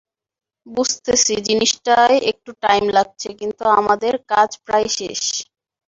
বুঝতেছি জিনিসটায় একটু টাইম লাগছে, কিন্তু আমাদের কাজ প্রায় শেষ।